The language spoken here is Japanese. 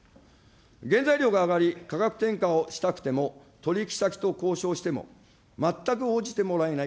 原材料が上がり価格転嫁をしたくても取り引き先と交渉しても全く応じてもらえない。